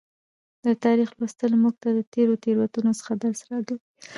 د تاریخ لوستل موږ ته د تیرو تیروتنو څخه درس راکوي.